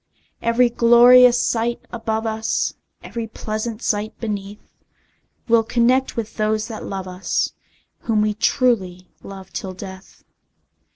Every glorious sight above us, Every pleasant sight beneath, We'll connect with those that love us, Whom we truly love till death!